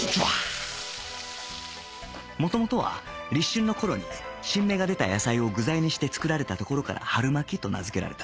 元々は立春の頃に新芽が出た野菜を具材にして作られたところから春巻きと名付けられた